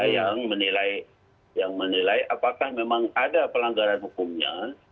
yang menilai apakah memang ada pelanggaran hukumnya